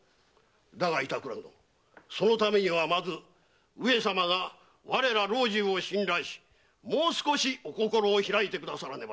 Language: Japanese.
だが板倉殿そのためにはまず上様が我ら老中を信頼しもう少しお心を開いてくださらねばのう。